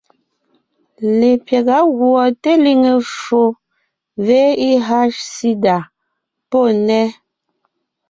Lepyága gùɔ teliŋe ffo (VIH/SIDA) pɔ́ nnέ,